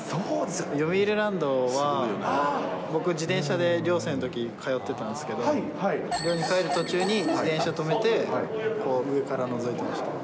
よみうりランドは、僕、自転車で寮生のとき通ってたんですけど、そこに帰る途中に自転車止めて上からのぞいてました。